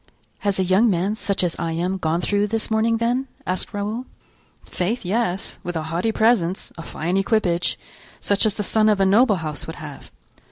"Has a young man, such as I am, gone through this morning, then?" asked Raoul. "Faith, yes, with a haughty presence, a fine equipage; such as the son of a noble house would have."